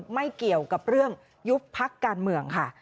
ไม่เกี่ยวกับเรื่องยุคภักดิ์การเมือง